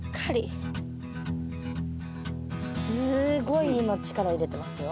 すごい今力入れてますよ。